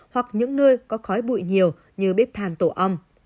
hoặc những nơi có khói bụi nhiều như bếp thàn tổ on